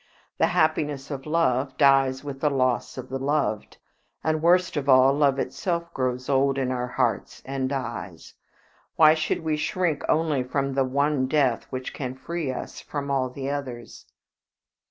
The happiness of love dies with the loss of the loved, and, worst of all, love itself grows old in our hearts and dies. Why should we shrink only from the one death which can free us from all the others?"